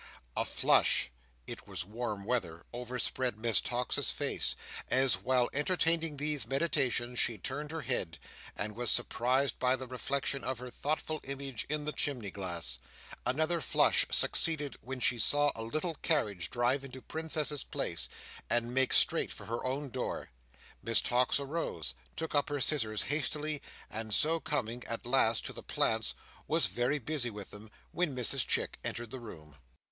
A flush—it was warm weather—overspread Miss Tox's face, as, while entertaining these meditations, she turned her head, and was surprised by the reflection of her thoughtful image in the chimney glass. Another flush succeeded when she saw a little carriage drive into Princess's Place, and make straight for her own door. Miss Tox arose, took up her scissors hastily, and so coming, at last, to the plants, was very busy with them when Mrs Chick entered the room.